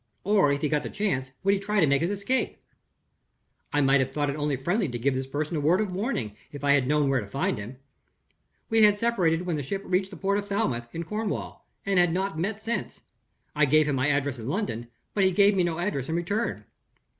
or, if he got the chance, would he try to make his escape? "I might have thought it only friendly to give this person a word of warning, if I had known where to find him. We had separated when the ship reached the port of Falmouth, in Cornwall, and had not met since. I gave him my address in London; but he gave me no address in return.